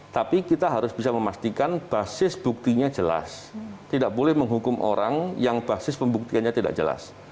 tapi kita harus bisa memastikan basis buktinya jelas tidak boleh menghukum orang yang basis pembuktiannya tidak jelas